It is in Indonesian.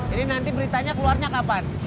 ini nanti beritanya keluarnya kapan